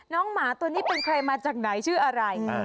หมาตัวนี้เป็นใครมาจากไหนชื่ออะไร